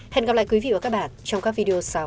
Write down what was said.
hẹn gặp lại quý vị và các bạn trong các video sau